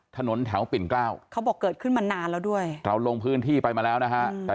ถนนแถวปิ่นกเขาบอกเกิดขึ้นมานานแล้วด้วย